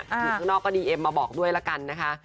อยู่ข้างนอกก็ดีเอ็มมาบอกด้วยละกันนะคะ